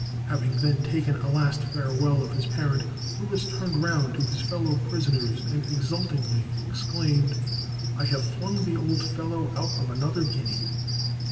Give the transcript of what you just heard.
Having then taken a last farewell of his parent, Lewis turned round to his fellow prisoners, and exultingly exclaimed, 'I have flung the old fellow out of another guinea.'"